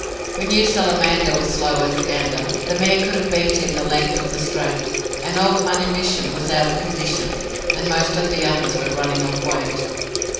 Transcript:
'We knew Salamander was slow as a gander, The mare could have beat him the length of the straight, And old Manumission was out of condition, And most of the others were running off weight.